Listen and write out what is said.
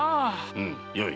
うんよい。